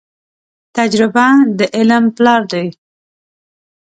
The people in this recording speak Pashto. تجربه د علم پلار دي.